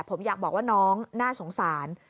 ผมอยากบอกว่าน้องน่าสงสาร